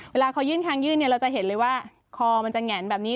เวลาเขายื่นคางยื่นเนี่ยเราจะเห็นเลยว่าคอมันจะแงนแบบนี้